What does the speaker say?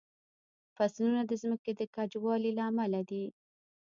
فصلونه د ځمکې د کجوالي له امله دي.